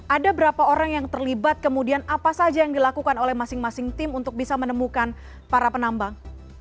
ada berapa orang yang terlibat kemudian apa saja yang dilakukan oleh masing masing tim untuk bisa menemukan para penambang